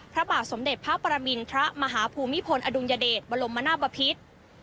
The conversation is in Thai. พระบาทสมเด็จพระปรมินทรมาฮภูมิพลอดุลยเดชบรมนาบพิษ